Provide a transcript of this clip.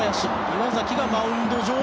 岩崎がマウンド上。